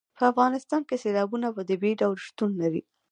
په افغانستان کې سیلابونه په طبیعي ډول شتون لري.